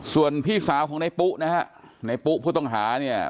ส่วนพี่สาวของในปุฏิไว้วันนี้